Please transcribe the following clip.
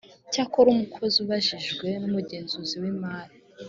cyakora umukozi ubajijwe n’umugenzuzi w’imari